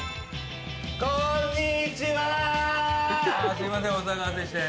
すいませんお騒がせして。